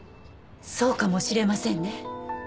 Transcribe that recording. そうかもしれませんね。